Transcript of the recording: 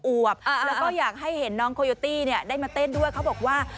วบแล้วก็อยากให้เห็นน้องโคโยตี้เนี่ยได้มาเต้นด้วยเขาบอกว่า